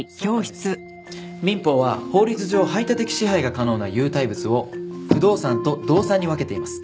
民法は法律上排他的支配が可能な有体物を不動産と動産に分けています。